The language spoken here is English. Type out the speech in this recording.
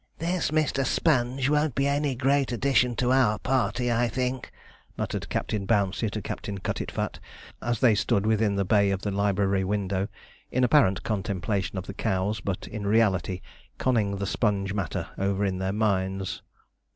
'This Mr. Sponge won't be any great addition to our party, I think,' muttered Captain Bouncey to Captain Cutitfat, as they stood within the bay of the library window, in apparent contemplation of the cows, but in reality conning the Sponge matter over in their minds.